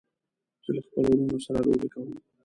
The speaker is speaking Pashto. زه له خپلو وروڼو سره لوبې کوم.